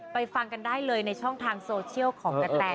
ฟังกันได้เลยในช่องทางโซเชียลของกระแต